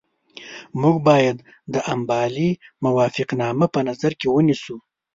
موږ باید د امبالې موافقتنامه په نظر کې ونیسو.